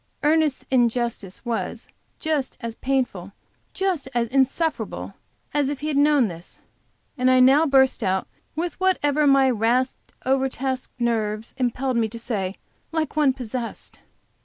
Ernest's injustice was just as painful, just as insufferable as if he had known this, and I now burst out with whatever my rasped, over taxed nerves impelled me to say, like one possessed.